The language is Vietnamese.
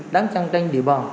đáng chăng tranh địa bàn